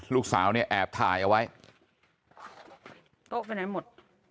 ลูกสาวเนี่ยแอบถ่ายเอาไว้โต๊ะไปไหนหมด